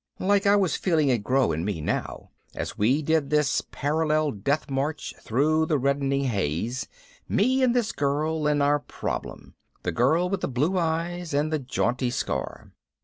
Like I was feeling it grow in me now as we did this parallel deathmarch through the reddening haze, me and this girl and our problem. This girl with the blue eyes and the jaunty scar.